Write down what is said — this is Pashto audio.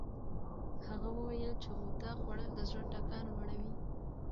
هغه وویل چې غوطه خوړل د زړه ټکان لوړوي.